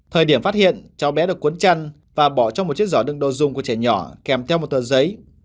thời điểm phát hiện cháu bé được cuốn chăn và bỏ trong một chiếc giỏ đựng đồ dùng của trẻ nhỏ kèm theo một tờ giấy